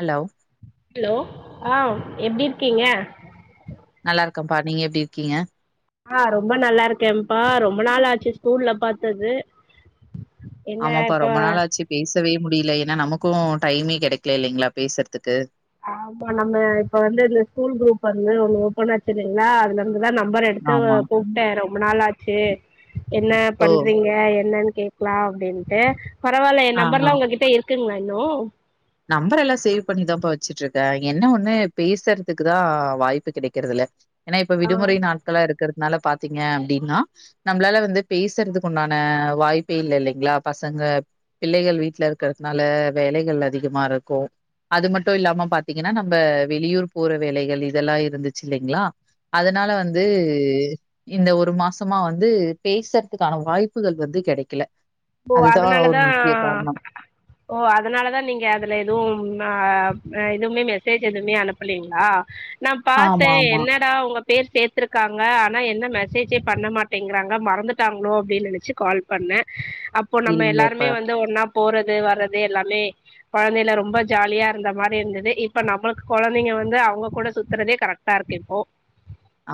Hello hello ஆ எப்டி இருக்கீங்க நல்லா இருக்கப்பா நீங்க எப்டி இருக்கீங்க ஆ ரொம்ப நல்லா இருக்கேன்ப்பா ரொம்ப நாளாச்சு ஸ்கூல்ல பாத்தது என்ன ஆமாப்பா இப்ப ரொம்ப நாளாச்சு பேசவே முடியல ஏன்னா நமக்கு டைமே கெடைக்கலே இல்லைங்களா பேசுறதுக்கு ஆமாப்பா நம்ம இப்ப வந்து இந்த ஸ்கூல் குரூப் வந்து ஒன்னு ஓப்பனாச்சிது ங்களா அதுல இருந்துதா நம்பர் எடுத்து ஆமா கூப்ட்டே ரொம்ப நாள் ஆச்சே என்ன ஓ பண்றீங்க என்னன்னு கேக்கலா அப்டின்ட்டு பரவால்ல என் ஆ நம்பர்லா உங்ககிட்ட இருக் குங்களா இன்னு நம்பரல்லா சேவ் பண்ணிதான்ப்ப வெச்சுட்டு இருக்கே என்ன ஒன்னு பேசறதுக்குதா வாய்ப்பு கெடைக்கறது இல்ல ஏனா இப்ப ஆ விடுமுறை நாட்களா இருக்கறதுனால பாத்தீங்க அப்டின்னா நம்மளால வந்து பேசுறதுக்கு உண்டான வாய்ப்பே இல்ல இல்லைங்களா பசங்க பிள்ளைகள் வீட்ல இருக்கறதுனால வேலைகள் அதிகமா இருக்கு அது மட்டு இல்லாம பாத்தீங்கன்னா நம்ப வெளியூர் போற வேலைகள் இதெல்லா இருந்துச்சு இல்லைங்களா அதனால வந்து இந்த ஒரு மாசமா வந்து பேசறதுக்கான வாய்ப்புகள் வந்து கெடைக்கல ஓ அதுதான் ஒரு அதனாலதா முக்கிய காரணம். ஓ அதனாலதா நீங்க அதுல எதுவு அ எதுமே மெசேஜ் எதுமே அனுப்பலீங்களா நா பாத்தே ஆமா, என்ன ஆமா. என்னடா உங்க பேர் சேத்திருக்காங்க ஆனா என்ன மெசேஜே பண்ண மாட்டேங்கிறாங்க மறந்துட்டாங்களோ அப்டின் நெனச்சு கால் பண்ண அப்போ நம்ம இல்ல இப்ப எல்லாருமே வந்து ஒன்னா போறது வர்றது எல்லாமே கொழந்தைல ரொம்ப ஜாலியா இருந்த மாரி இருந்தது இப்ப நம்மளுக்கு கொழந்தைங்க வந்து அவங்க கூட சுத்தறதே கரெக்ட் டா இருக்கு இப்போ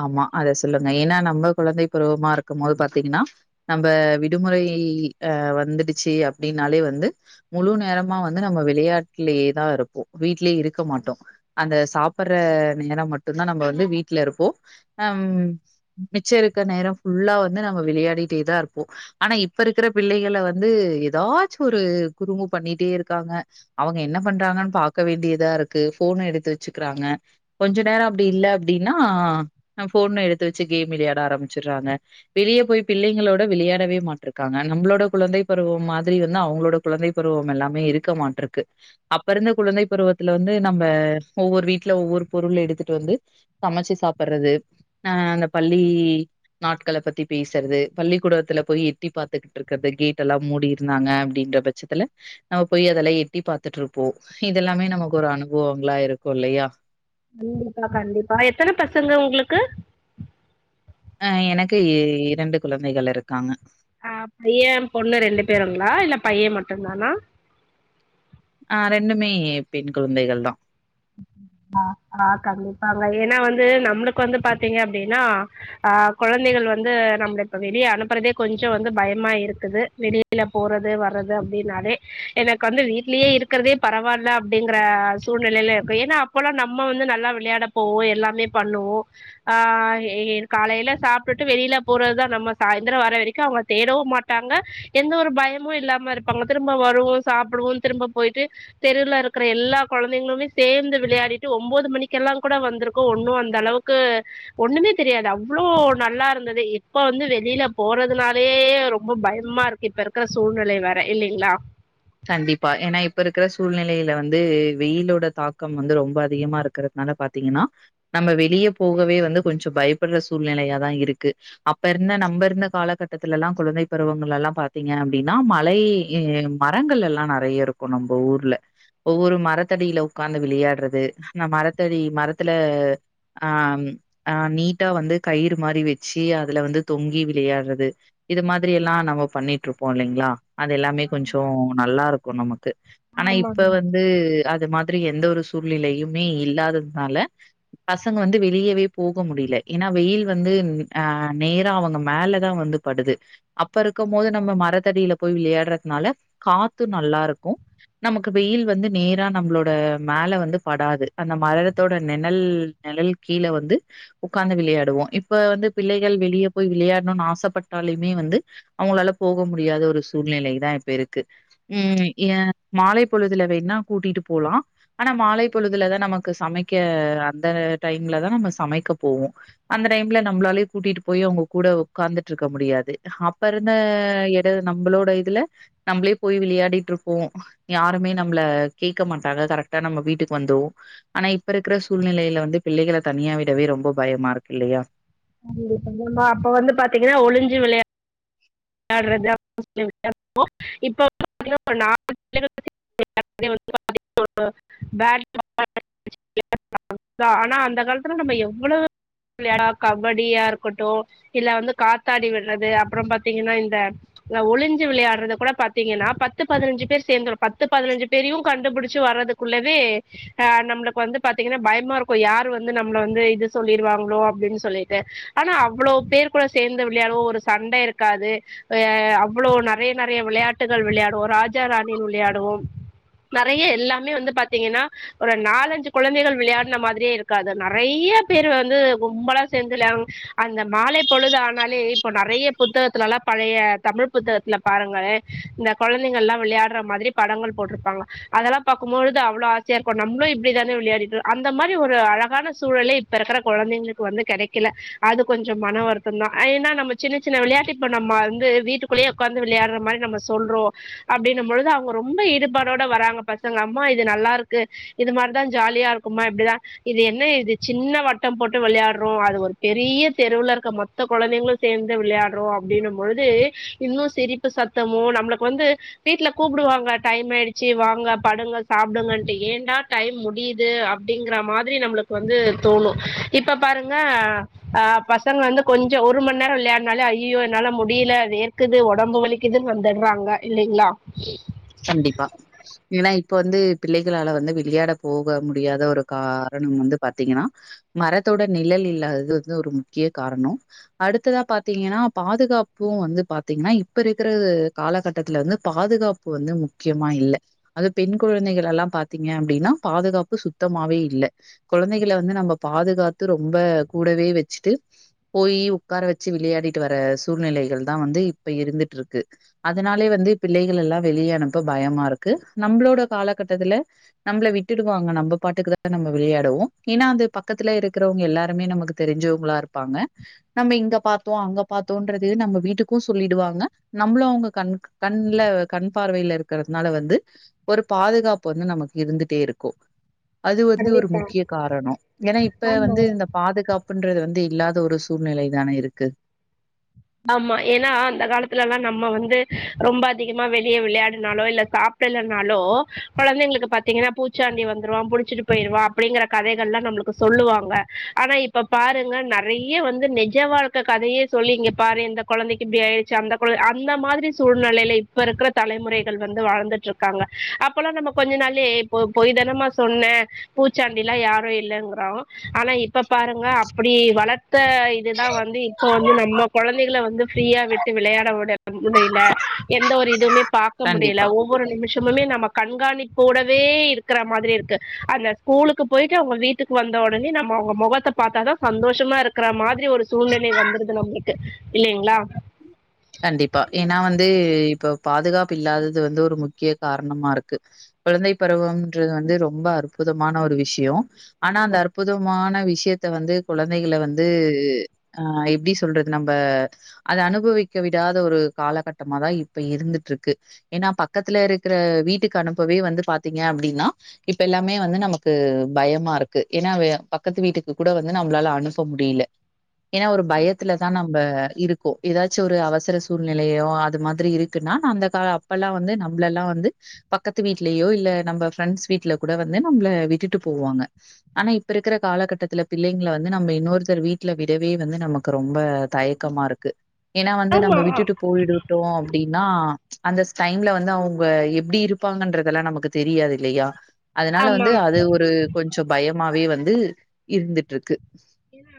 ஆமா அத சொல்லுங்க ஏனா நம்ம குழந்தை பருவமா இருக்கும் போது பாத்தீங்கன்னா நம்ப விடுமுறை அ வந்துடுச்சு அப்டின்னாலே வந்து முழு நேரமா வந்து நம்ம விளையாட்லே தா இருப்போ வீட்லயே இருக்க மாட்டோ அந்த சாப்பற நேரம் மட்டுந்தா நம்ம வந்து வீட்ல இருப்போ ம் மிச்ச இருக்க நேர ஃபுல்லா வந்து நம்ம விளையாடிட்டேதா இருப்போ ஆனா இப்ப இருக்கற பிள்ளைகள வந்து ஏதாச்சு ஒரு குறும்பு பண்ணிட்டே இருக்காங்க அவங்க என்ன பண்றாங்கன் பாக்க வேண்டியதா இருக்கு போன் எடுத்து வச்சுக்கிறாங்க கொஞ்ச நேர அப்டி இல்ல அப்டின்னா நம்ம போன எடுத்து வச்சு கேம் விளையாட ஆரம்பிச்சிறாங்க வெளிய போய் பிள்ளைங்களோட விளையாடவே மாட்ருக்காங்க நம்பளோட குழந்தை பருவம் மாதிரி வந்து அவங்களோட குழந்தை பருவம் எல்லாமே இருக்கமாட்ருக்கு அப்ப இருந்த குழந்தை பருவத்துல வந்து நம்ப ஒவ்வொரு வீட்ல ஒவ்வொரு பொருள் எடுத்துட்டு வந்து சமச்சு சாப்பறது ஆ அந்த பள்ளி நாட்கள பத்தி பேசுறது பள்ளிக்கூடத்துல போய் எட்டி பாத்துகிட்டு இருக்கறது கேட் எல்லா மூடி இருந்தாங்க அப்டின்ற பச் ச்சதில நம்ம போய் அதெல்லா எட்டி பாத்துட்டு இருப்போ இதெல்லாமே நமக்கு ஒரு அனுபவங்களா இருக்கு இல்லையா கண்டிப்பா கண்டிப்பா எத்தன பசங்க உங்களுக்கு ஆ எனக்கு இ இரண்டு குழந்தைகள் இருக்காங்க ஆ பைய பொண்ணு ரெண்டு பேருங்ளா இல்ல பைய மட்டுந்தானா ஆ ரெண்டுமே பெண் குழந்தைகள் தா ஆ ஆ கண்டிப்பாங்க ஏனா வந்து நம்மளுக்கு வந்து பாத்தீங்க அப்டின்னா ஆ கொழந்தைகள் வந்து நம்மள இப்ப வெளிய அனுப்புறதே கொஞ்ச வந்து பயமா இருக்குது வெளிய ளில போறது வர்றது அப்டினாலே எனக்கு வந்து வீட்லயே இருக்கிறதே பரவால்ல அப்டிங்கற சூழ்நிலையில இருக்கோ ஏனா அப்போல்லா நம்ம வந்து நல்லா விளையாட போவோ எல்லாமே பண்ணுவோ ஆ எ காலையில சாப்டுட்டு வெளியில போறதுதா நம்ம சாய்ந்திர வர வரைக்கு அவங்க தேடவு மாட் ட்டாங்க எந்த ஒரு பயமு இல்லாம இருப்பாங்க திரும்ப வருவோ சாப்புடுவோ திரும்ப போயிட்டு தெருல இருக்கற எல்லா கொழந்தைங்களுமே சேர்ந்து விளையாடிட்டு ஒம்போது மணிக்கெல்லா கூட வந்திருக்கோ ஒன்னு அந்த அளவுக்கு ஒண்ணுமே தெரியாது அவ்ளோ நல்லா இருந்தது இப்ப வந்து வெளியில போறதுனாலே ரொம்ப பயமா இருக் இப்ப இருக்கிற சூழ்நிலை வேற இல்லைங்ளா கண்டிப்பா ஏனா இப்ப இருக்கிற சூழ்நிலையில வந்து வெயிலோட தாக்கம் வந்து ரொம்ப அதிகமா இருக் கிறதுனால பாத்தீங்கனா நம்ம வெளிய போகவே வந்து கொஞ்ச பயப்படுற சூழ்நிலையாதா இருக்கு அப்ப இருந்த நம்ப இருந்த காலகட்டத்துல எல்லா குழந்தை பருவங்கள் எல்லா பாத்தீங்க அப்டினா மழை அ மரங்கள் எல்லா நறைய இருக்கு நம்ப ஊர்ல ஒவ்வொரு மரத்தடியில உக்காந்து விளையாடுறது அந்த மரத்தடி மரத்துல அம் ஆ நீட்டா வந்து கயிறு மாரி வச்சு அதுல வந்து தொங்கி விளையாடுறது இது மாத்ரி எல்லா நம்ம பண்ணிட்டு இருப்போ இல்லைங்ளா அது எல்லாமே கொஞ்சோ நல்லாருக்கு நமக்கு ஆனா இப்ப ஆமாங்க வந் து அது மாத்ரி எந்த ஒரு சூழ்நிலையுமே இல்லாததுனால பசங்க வந்து வெளியவே போக முடிய்ல ஏனா வெயில் வந்து ஆ நேரா அவுங்க மேலதா வந்து படுது அப்ப இருக்கும் போது நம்ம மரத்தடியில போய் விளியாடுறத்னால காத்து நல்லா இருக்கு நமக்கு வெயில் வந்து நேரா நம்மளோட மேல வந்து படாது அந்த மரத்தோட நெனல் நெழல் கீழ வந்து உக்காந்து விளையாடுவோ இப்ப வந்து பிள்ளைகள் வெளிய போய் விளையாடணுன் ஆசப்பட்டாலுமே வந்து அவுங்களால போக முடியாத ஒரு சூழ்நிலை தா இப்ப இருக் கு ம் எ மாலை பொழுதுல வேணா கூட்டிட்டு போலா ஆனா மாலை பொழுதுலதா நமக்கு சமைக்க அந்த டைம்ல தா நம்ம சமைக்க போவோ அந்த டைம்ல நம்மளாலயே கூட்டிட்டு போய் அவுங்க கூட உக்காந்துட்ருக்க முடியாது அப்ப இருந்த எ நம்மளோட இதுல நம்மளே போய் விளையாடிட்ருப்போ யாருமே நம்மள கேக்க மாட்டாங்க கரெக்டா நம்ம வீட்டுக்கு வந்ருவோ ஆனா இப்ப இருக்கிற சூழ்நிலையில வந்து பிள்ளைகள தனியா விடவே ரொம்போ பயமா இருக்கு இல்லையா கண்டிப்பா நம்ம அப்ப வந்து பாத்தீங்கன்னா ஒளிஞ்சு விளையா யாட்றது [inaudible] இப்ப [inaudible] [inaudible] [inaudible] ஆனா அந்த காலத்துல நம்ம எவ்ளோ விளையாட கபடியா இருக்கட்டு இல்ல வந்து கா த்தாடி விட்றது அப்றோ பா த்தீங்கன்னா இந்த ஒளிஞ்சு விளையாட்றது கூட பாத்தீங்கன்னா பத்து பதினஞ்சு பேர் சேந்து பத்து பதினஞ்சு பேரையு கண்டுபிடிச்சு வர்றதுக் குள்ளவே ஆ நம்மளுக்கு வந்து பாத்தீங்கன்னா பயமாருக்கு யாரு வந்து நம்மள வந்து இது சொல்லிருவாங்ளோ அப்டின் சொல்லிட்டு ஆனா அவ்ளோ பேர் கூட சேந்து விளையாடுவோ ஒரு சண்ட இருக்காது அ அவ்ளோ நெறைய நெறைய விளையாட்டுகள் விளையாடுவோ ராஜா ராணி விளையாடுவோ நெறைய எல்லாமே வந்து பாத்தீங்கன்னா ஒரு நாலஞ்சு குழந்தைகள் விளையாடுன மாத்ரியே இருக்காது நெறைய பேர் வந்து கும்பலா சேந்து விளையாடுவோ அந்த மாலை பொழுது ஆனாலே இப்போ நெறைய புத்தகத்துல எல்லா பழைய தமிழ் புத்தகத்துல பாருங்ளே இந்த கொழந்தைங்கள் எல்லா விளையாட்ற மாத்ரி படங்கள் போட்ருப்பாங்க அதெல்லா பாக்கும் பொழுது அவ்ளோ ஆசையா இருக்கு நம்ளு இப்டிதான விளையாடிட்டு அந்த மாரி ஒரு அழகான சூழலே இப்ப இருக்கற கொழந்தைங்களுக்கு வந்து கெடைக்கல அது கொஞ்சோ மன வருத்தந்தா ஏனா நம்ம சின்ன சின்ன விளையாட்டு இப்ப நம்ம வந்து வீட்டுக்குள்ளேய உக்காந்து விளையாட்ற மாரி நம்ம சொல்றோ அப்டின்னும் பொழுது அவுங்க ரொம்ப ஈடுபாடோட வராங்க பசங்க அம்மா இது நல்லா இருக்கு இது மாரிதா ஜாலியா இருக்குமா இப்டிலா இது என்ன இது சின்ன வட்டம் போட்டு விளையாட்றோ அது ஒரு பெரிய தெருவுல இருக்க மொத்த கொழந்தைங்களு சேந் து விளையாட்றோ அப்டின்னு பொழுது இன்னு சிரிப்பு சத்தமு நம்ளுக்கு வந்து வீட்ல கூப்டுவாங்க டைம் ஆயிடுச்சி வாங்க படுங்க சாப்டுங்கன்ட்டு ஏண்டா டைம் முடியிது அப்டிங்கற மாத்ரி நம்ளுக்கு வந்து தோணு இப்ப பாருங்க அ பசங்க வந்து கொஞ்சோ ஒரு மண் நேரோ விளையா ட்னால அய்யியோ என்னால முடியல வேர்க்குது ஒடம்பு வலிக்குதுன் வந்துட்றாங்க இல்லைங்ளா கண்டிப்பா ஏனா இப்ப வந்து பிள்ளைகளால வந்து விளையாட போக முடியாத ஒரு காரணம் வந்து பாத்தீங்கனா மரத்தோட நிழல் இல்லாதது வந்து ஒரு முக்கிய காரணொ அடுத்ததா பாத்தீங்கெனா பாதுகாப்பு வந்து பாத்தீங்க்னா இப்ப இருக்குற காலகட்டத்துல வந்து பாதுகா ப்பு வந்து முக்கியமா இல்ல அது பெண் குழந்தைகள் எல்லா பாத்தீங்க அப்டின்னா பாதுகாப்பு சுத்தமாவே இல்ல கொழந்தைகள வந்து நம்ப பாதுகாத்து ரொம்ப கூடவே வெச்ட்டு போயி உக்கார வெச்சு விளையாடிட்டு வர சூழ்நெலைகள் தா வந்து இப்ப இருந்துட்டு இருக்கு அதனாலே வந்து பிள்ளைகளெல்லா வெளிய அனுப்ப பயமா இருக்கு நம்ளோட காலகட்டத்துல நம்பள விட்டுடுவாங்க நம்ப பாட்டுக்கு தா நம்ப விளையாடுவோ என்னா அது பக்கத்துல இருக்குறவங்க எல்லாருமே நமக்கு தெருஞ்சவங்களா இருப்பாங்க நம்ம இங்க பாத்தோ அங்க பாத்தோன்றது நம்ப வீட்டுக்கு சொல்லிடுவாங்க நம்பளு அவ்ங்க கண்க் கண்ல கண் பார்வைல இருக்கறதுனால வந்து ஒரு பாதுகாப்பு வந்து நமக்கு இருந்துட்டே இருக்கு அது வந்து ஒரு கண்டிப்பா முக்கிய காரணொ எனா இப்ப ஆமா வந்து இந்த பாதுகாப்புன்றது வந்து இல்லாத ஒரு சூழ்நிலை தானே இருக்கு ஆமா எனா அந்த காலத்துல எல்லா நம்ம வந்து ரொம்ப அதிகமா வெளிய வெளையாடினாலோ இல்ல சாப் சாப்டனாலோ கொழந்தெங்களுக்கு பாத்தீங்கன்னா பூச்சாண்டி வந்துருவான் புடுச்சிட்டு போய்ருவான் அப்பிடிங்கற கதைகள்ல்லா நம்மளுக்கு சொல்லுவாங்க ஆனா இப்ப பாருங்க நறையா வந்து நிஜ வாழ்க்க கதையே சொல்லி இங்க பாரு இந்த கொழந்தெக்கு இப்பிடி ஆய்டுச்சு அந்த கொழ அந்த மாதிரி சூழ்நெலைல இப்ப இருக்கற தலைமுறைகள் வந்து வாழ்ந்துட்டு இருக் காங்க அப்பெல்லா நம்ம கொஞ்ச நாளே பொ பொய் தானமா சொன்ன பூச்சாண்டி எல்லா யாரு இல்லெங்கிறோ ஆனா இப்ப பாருங்க அப்பிடி வள த்த இதுதா வந்து இப்போ வந்து நம்மொ கொழந்தெகள வந்து ஃப்ரீயா விட்டு விளையாட உட முடியல எந்த ஒரு இதுமே பாக்க முடியில்ல கண்டிப்பா ஓ ஒவ்வொரு நிமிஷமுமே நம்ம கண்காணிப்போடவே இருக்குற மாதிரி இருக்கு அந்த ஸ்கூலுக்கு போய்ட்டு அவ்ங்க வீ ட்டுக்கு வந்த ஒடனே நம்ம அவ்ங்க முகத்த பாத்தாதா சந்தோஷமா இருக்குற மாதிரி ஒரு சூழ்நிலை வந்துருது நம்ளு கு இல்லெங்ளா கண்டிப்பா எனா வந்து இப்ப பாதுகாப்பு இல்லாதது வந்து ஒரு முக்கிய காரணமா இருக்கு குழந்தை பருவம்ன்றது வந்து ரொம்ப அற்புதமான ஒரு விஷியோ ஆனா அந்த அற்புதமான விஷ்யத்த வந்து குழந்தைகள வந்து ஆ எப்டி சொல்றது நம்ப அத அனுபவி இக்க விடாத ஒரு காலகட்டமாதா இப்ப இருந்துட்டுருக்கு எனா பக்கத்துல இருக்குற வீட்டுக்கு அனுப்பவே வந்து பாத்தீங்க அப்டின்னா இப்ப எல்லாமே வந்து நமக்கு பயமா இருக்கு எனா பக்கத்து வீட்டுக்கு கூட வந்து நம்மளால அனுப்ப முடியில்ல எனா ஒரு பயத்துல தா நம்ப இருக்கோ எதா ச்சு ஒரு அவசர சூழ்நெலையோ அது மாதிரி இருக்குன்னா அந்த கா அப்பெல்லா வந்து நம்ப்ளெல்லா வந்து பக்கத்து வீட்லயோ இல்ல நம்ப ஃப்ரெண்ட்ஸ் வீட்ல கூட வந்து நம்பள விட்டுட்டு போவாங்க ஆனா இப்ப இருக்குற காலகட்டத்துல பிள்ளெங்கள வந்து நம்ப இன்னொருத்தர் வீட்ல விடவே வந்து நமக்கு ரொம்ப தய் க்கமா இருக்கு எனா வந்து ஆமா நம்ப விட்டுட்டு போய்டுட்டோ அப்டின்னா அந்த ஸ்டைம்ல வந்து அவ்ங்க எப்டி இருப்பாங்கன்றதெல்லா நமக்கு தெரியாது இல்லையா அதனால ஆமா வந்து அது ஒரு கொஞ்சொ பயமாவே வந்து இருந்துட்ருக்கு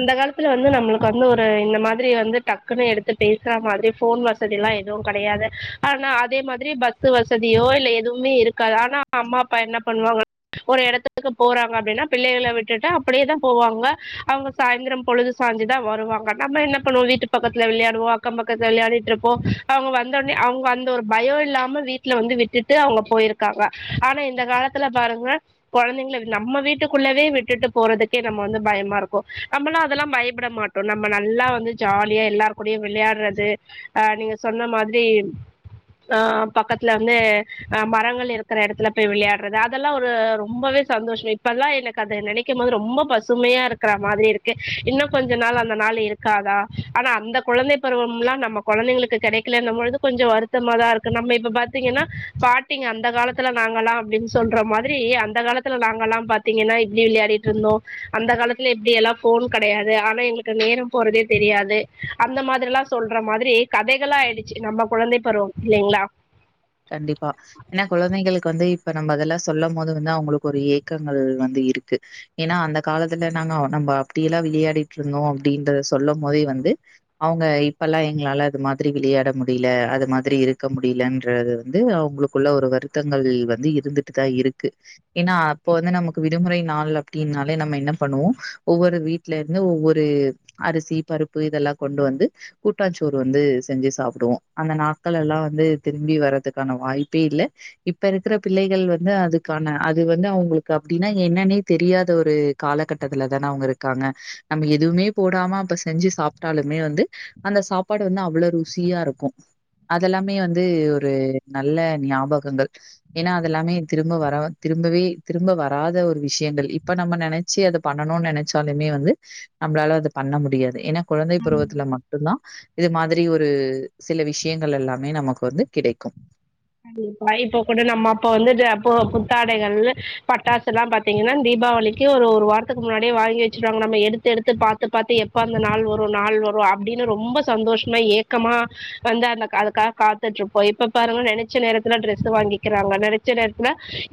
இந்த காலத்துல வந்து நம்மளுக்கு வந்து ஒரு இந்த மாதிரி வந்து டக்குன்னு எடுத்து பேச்ற மாதிரி ஃபோன் வச சதில்லா எதுவு கெடையாது ஆனா அதே மாதிரி பஸ் வசதியோ இல்ல எதுவுமே இருக்காது ஆனா அம்மா அப்பா என்ன பண்ணுவாங்க ஒரு எடத்துக்கு போறாங்க அப்பிடின்னா பிள்ளகெள விட்டுட்டு அப்பிடியேதா போவாங்க அவ்ங்க சாய்ந்தொரம் பொழுது சாஞ்சு தா வருவாங்க நம்ம என்ன பண்ணுவோ வீட்டு பக்கத்துல வெளையாடுவோ அக்கம் பக்கத்துல வெளையாடிட்டு இருப்போ அவ்ங்க வந்த ஒட்னே அவ்ங்க அந்த ஒரு பயோ இல்லாம வீட்ல வந்து விட்டுட்டு அவ்ங்க போய்ர்க்காங்க ஆனா இந்த காலத்துல பாருங்க குழந்தைங்கள நம்ம வீட்டுக்குள்ளவே விட்டுட்டு போறதுக்கே நம்ம வந்து பயமா இருக் கும் நம்மளாம் அதெல்லா பயப்பட மாட்டோ நம்ம நல்லா வந்து ஜாலியா எல்லாரு கூடயு விளையாட்றது அ நீங்க சொன்ன மாதிரி ஆ பக்கத்துல வந்து அ மரங்கள் இருக்கிற இடத்துல போய் விளையாடுறது அதெல்லா ஒரு ரொம்பவே சந்தோஷோ இப்பெல்லா எனக்கு அது நினைக் கும் போது ரொம்ப பசுமையா இருக் கிற மாதிரி இருக்கு இன்னு கொஞ்சோ நாள் அந்த நாள் இருக்காதா ஆனா அந்த குழந்தை பருவம் எலாம் நமக் குழந்தைங்களுக்கு கிடைக்கலன்னு பொழுது கொஞ்சோ வருத்தமா தா இருக்கு நம்ம இப்ப பாத்தீங்கன்னா பாட் டிக அந்த காலத்துல நாங்கல்லா அப்டின் சொல்ற மாதிரி அந்த காலத்துல நாங்க எல்லா பாத் திங்கன்னா எப்டி விளையாடிட்டு இருந்தோ அந்த காலத் தில இப்டி எல்லா போன் கிடையாது ஆனா எங்களுக்கு நேரோ போறதே தெரியாது அந்த மாதிரி எல்லா சொல்ற மாதிரி கதைகளா ஆயிடுச்சு நம்ம குழந்தை பருவம் இல்லலைங்களா கண்டிப்பா ஏன்னா குழந்தைங்களுக்கு வந்து இப்ப நம்ம அதெல்லா சொல்லும் போது வந்து அவங்களுக்கு ஒரு ஏக்கங்கள் வந்து இருக்கு ஏன்னா அந்த காலத்துல நாங்க நம்ம அப்படியெல்லா விளையாடிட்டு இருந்தோ அப்படின்றத சொல்லும் போதே வந்து அவங்க இப்பல்லா எங்களால அது மாதிரி விளையாட முடியல அது மாதிரி இருக்க முடியலன் றது வந்து அவங்களுக்குள்ள ஒரு வருத்தங்கள் வந்து இருந்துட்டு தா இருக்கு ஏன்னா அப்போ வந்து நமக்கு விடுமுறை நாள் அப்படின்னாலே நம்ம என்ன பண்ணுவோ ஒவ்வொரு வீட் ட்ல இருந்து ஒவ்வொரு அரிசி பருப்பு இதெல்லா கொண்டு வந்து கூட்டாஞச்சோறு வந்து செஞ்சு சாப்பிடுவோ அந்த நாட்கள் எல்லா வந்து திரும்பி வர்துக்கான வாய்ப்பே இல்ல இப்ப இருக்கிற பிள்ளைகள் வந்து அதுக்கான அது வந்து அவங்களுக்கு அப்படின்னா என்னன்னே தெரியாத ஒரு காலகட்டத்துல தான அவங்க இருக்காங்க நம்ம எதுவுமே போடாம அப்ப செஞ்சு சாப்பிட்டாலுமே வந்து அந்த சாப்பாடு வந்து அவ்ளவு ருசியா இருக்கும் அதெல்லாமே வந் வந்து ஒரு நல்ல ஞாபகங்கள் ஏன்னா அதெல்லாமே திரும்ப வர திரும்பவே திரும்ப வராத ஒரு விஷயங்கள் இப்ப நம்ம நினைச் சி அதப் பண்ணணும்னு நெனைச்சாலுமே வந்து நம்மளால அதப் பண்ண முடியாது ஏன்னா கொழந்தை பருவத்துல மட்டுந்தா இது மாதிரி ஒரு சில விஷயங்கள் எல்லாமே நமக்கு வந்து கிடைக்கு கை போக்கோட நம்ம அப்ப வந்துட்டு அப்போ புத்தாடைகள் பட்டாசு எல்லா பாத் பாத்தீங்கன்னா தீபாவளிக்கு ஒரு ஒரு வாரத்துக்கு முன்னாடியே வாங்கி வச்சிருவாங்க நம்ம எடுத்து எடுத்து பார்த்து பார்த்து எப் எப்போ அந்த நாள் வரு நாள் வரு அப்டின்னு ரொம்ப சந்தோஷமா ஏக்கமா வந்து அந்த கா அதுக்காக காத்துட்டு இருப்போ இப்பப் பாருங்க நெனச் ச நேரத்தில டிரெஸ் வாங்கிக்கிறாங்க நெனச்ச நேரத்தில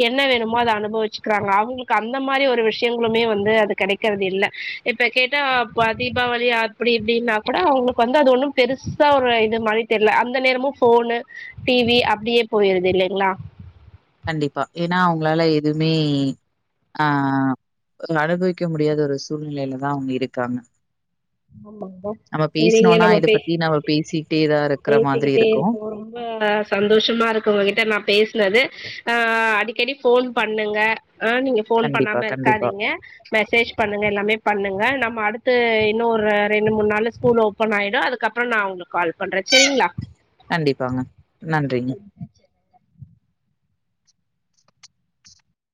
என்ன வேணுமோ அத அனுபவிச்சுக்கிறாங்க அவங்களுக் கு அந்த மாதிரி ஒரு விஷயங்களுமே வந்து அது கெடைக்குறது இல்ல இப்ப கேட்டா அப்போ தீபாவளி அ அப்டி இப்படின்னா கூட அவங்களுக்கு வந்து அது ஒண்ணும் பெருசா ஒரு இது மாதிரி தெரியல அந்த நேரமு ஃபோனு டி வி அப்பிடியே போயிருது இல்லேங்களா கண்டிப்பா ஏன்னா அவங்களால எதுமே ஆ அனுபவிக்க முடியாத ஒரு சூழ்நிலையில தா அவுங்க இருக்காங்க ஆமாங்கா நம்ம சரிங்க பேசினோம்னா, நம்ம இத பே பத்தி நம்ம பேசிட்டே தான் இருக்கிற மாதிரி பேசிக்கிட்டே இருக்கும். இருப்போ ரொம்ப சந்தோஷமா இருக்கு உங்க கிட்ட நான் பேசினது அ அடிக்கடி ஃபோன் பண்ணுங்க ஆ நீங்க ஃபோன் கண்டிப்பா, பண்ணாம கண்டிப்பா. இருக்காதீங்க மெசேஜ் பண்ணுங்க எல்லாமே பண்ணுங்க நம்ம அடுத்து இன்னு ஒரு ரெண்டு மூணு நாள்ல ஸ்கூல் ஓப்பன் ஆயிடு அதுக்கப்றோ நா உங்களுக்கு கால் பண்றே சேரிங்ளா கண்டிப்பாங்க நன்றிங்க